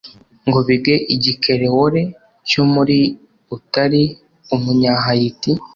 ngo bige igikerewole cyo muri utari umunyahayiti